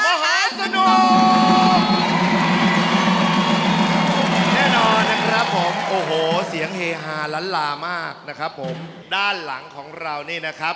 ระหว่างดีอลัมตาลวงที่เราอยู่อยู่ที่เมืองกว้างนี้นี่นะครับ